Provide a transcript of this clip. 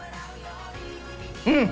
うん！